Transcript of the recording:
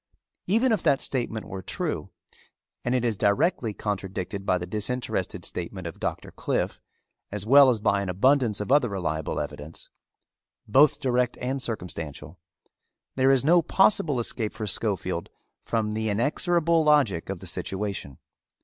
Even if that statement were true, and it is directly contradicted by the disinterested statement of Doctor Cliffe as well as by an abundance of other reliable evidence, both direct and circumstantial, there is no possible escape for Schofield from the inexorable logic of the situation.